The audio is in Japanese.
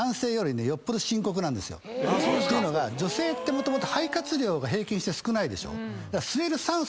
女性ってもともと肺活量が平均して少ないでしょ。